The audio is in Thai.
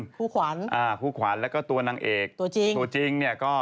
คู่ขวัญอ่าผู้ขวัญแล้วก็ตัวนางเอกตัวจริงตัวจริงเนี่ยก็